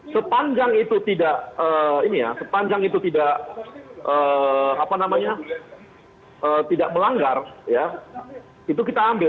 sepanjang itu tidak melanggar itu kita ambil